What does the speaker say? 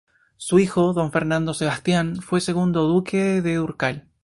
Su hijo, don Fernando Sebastián, fue segundo duque de Dúrcal.